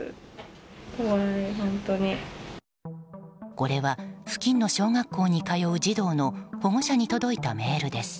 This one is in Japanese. これは付近の小学校に通う児童の保護者に届いたメールです。